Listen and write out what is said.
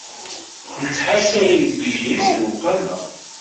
Ittḥasab igduden s lewqama.